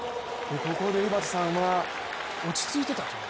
ここで井端さんは落ち着いてたと？